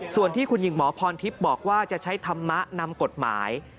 ส่วนที่คุณหญิงหมอพรทิพย์บอกว่าจะใช้ธรรมะนำกฎหมาย